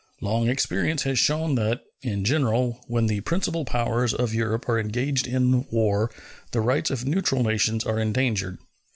Long experience has shown that, in general, when the principal powers of Europe are engaged in war the rights of neutral nations are endangered.